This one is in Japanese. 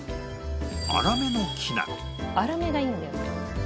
「粗めがいいんだよね」